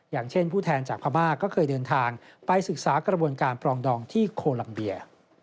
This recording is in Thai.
อย่างเช่นผู้แทนจากพม่าก็เคยเดินทางไปศึกษากระบวนการปรองดองที่โคลัมเบีย